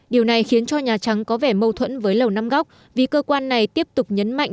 điều này khiến cho nhà trắng có vẻ mâu thuẫn với lầu năm góc vì cơ quan này tiếp tục nhấn mạnh